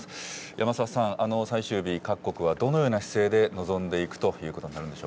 山澤さん、最終日、各国はどのような姿勢で臨んでいくということ